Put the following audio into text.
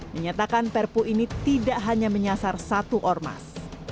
menyatakan perpu ini tidak hanya menyasar satu ormas